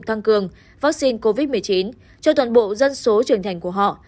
tăng cường vaccine covid một mươi chín cho toàn bộ dân số trưởng thành của họ